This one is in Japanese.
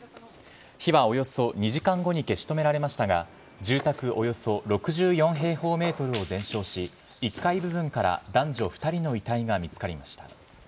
火はおよそ２時間後に消し止められましたが、住宅およそ６４平方メートルを全焼し、１階部分から男女２人の遺体が見つかりました。